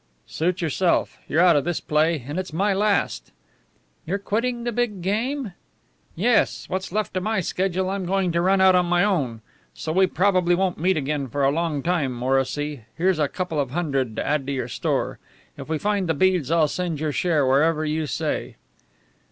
"Suit yourself. You're out of this play and it's my last." "You're quitting the big game?" "Yes. What's left of my schedule I'm going to run out on my own. So we probably won't meet again for a long time, Morrissy. Here's a couple of hundred to add to your store. If we find the beads I'll send your share wherever you say."